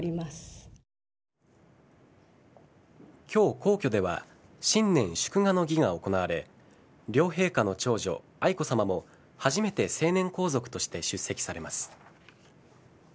今日、皇居では新年祝賀の儀が行われ両陛下の長女・愛子さまも初めて成年皇族として出席されます。